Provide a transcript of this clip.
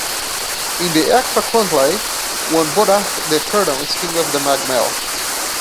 In the "Eachtra Chonlae", one "Boadach" the Eternal" is king of Mag Mell.